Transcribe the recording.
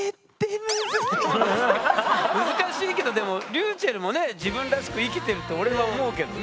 難しいけどでもｒｙｕｃｈｅｌｌもね自分らしく生きてるって俺は思うけどね。